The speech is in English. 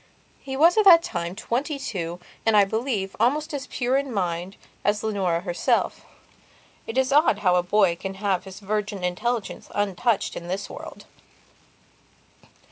He was at that time twenty two and, I believe, almost as pure in mind as Leonora herself. It is odd how a boy can have his virgin intelligence untouched in this world.